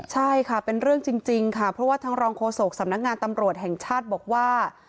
ใช่ค่ะเป็นเรื่องจริงค่ะเพราะว่าทางรองโฆษกสำนักงานตำรวจแห่งชาติบอกว่า